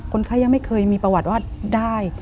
คนไข้ยังไม่เคยมีประวัติว่าได้